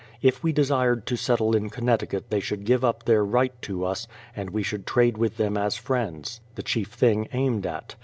... If we desired to settle in Connecticut they should give up their right to us, and we should trade with them as friends, — the chief thing aimed at.